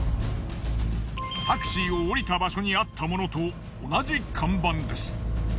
タクシーを降りた場所にあったものと同じ看板です。